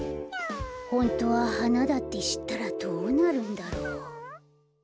ホントははなだってしったらどうなるんだろう？